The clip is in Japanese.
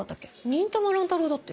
『忍たま乱太郎』だって。